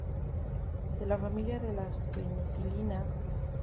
De la familia de las penicilinas.